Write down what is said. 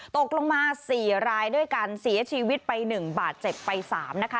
ตกลงมาสี่รายด้วยกันเสียชีวิตไปหนึ่งบาทเจ็บไปสามนะคะ